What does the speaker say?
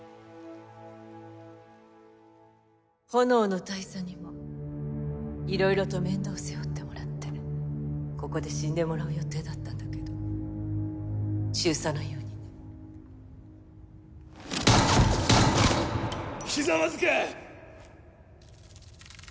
焔の大佐にも色々と面倒を背負ってもらってここで死んでもらう予定だったんだけど中佐のようにねひざまずけ！